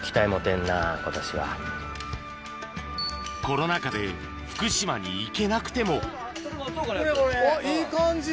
コロナ禍で福島に行けなくてもおっいい感じ。